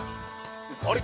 あれ？